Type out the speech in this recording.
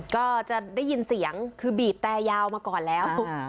ก็จะได้ยินเสียงคือบีบแต่ยาวมาก่อนแล้ว